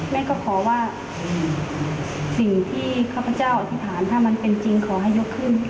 แม่ก็ขอว่าสิ่งที่ข้าพเจ้าอธิษฐานถ้ามันเป็นจริงขอให้ยกขึ้น